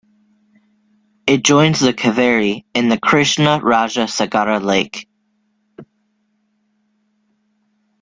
It joins the Kaveri in the Krishna Raja Sagara lake.